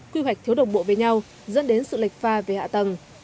quy hoạch thiếu đồng bộ với nhau dẫn đến sự lệch pha về hạ tầng